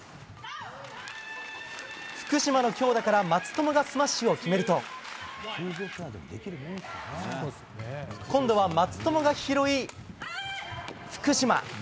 福島の強打から松友がスマッシュを決めると今度は松友が拾い、福島。